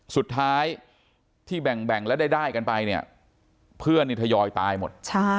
สุดท้ายที่แบ่งแบ่งแล้วได้ได้กันไปเนี่ยเครื่อนนิถยอยตายหมด